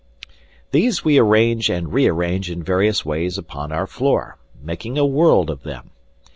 These we arrange and rearrange in various ways upon our floor, making a world of them.